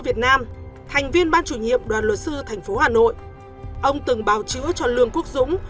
việt nam thành viên ban chủ nhiệm đoàn luật sư tp hcm ông từng bào chữa cho lương quốc dũng